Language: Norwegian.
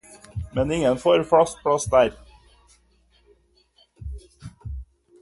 Men ingen får fast plass der.